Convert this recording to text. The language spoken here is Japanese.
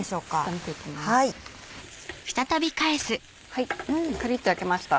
はいカリっと焼けました。